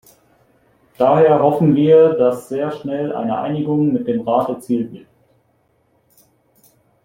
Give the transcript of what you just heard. Daher hoffen wir, dass sehr schnell eine Einigung mit dem Rat erzielt wird.